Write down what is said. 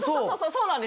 そうそう。